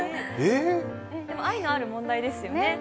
でも、愛のある問題ですよね。